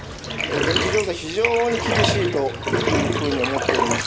現地情勢、非常に厳しいというふうに思っております。